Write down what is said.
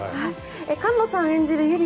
菅野さん演じるゆり